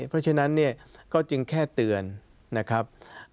เพราะฉะนั้นเนี่ยก็จึงแค่เตือนนะครับ